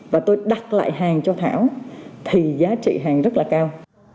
và tôi đặt lại hàng cho thảo thì giá trị hàng rất là cao